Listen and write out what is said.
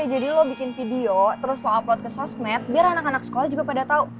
lo bikin video terus lo upload ke sosmed biar anak anak sekolah juga pada tahu